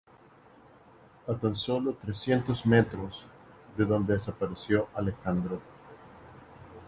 A tan solo trescientos metros de donde desapareció Alejandro.